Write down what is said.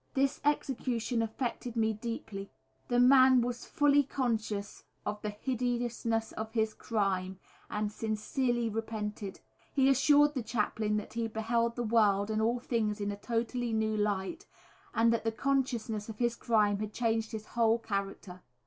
This execution affected me deeply. The man was fully conscious of the hideousness of his crime, and sincerely repented. He assured the chaplain that he beheld the world and all things in a totally new light, and that the consciousness of his crime had changed his whole character.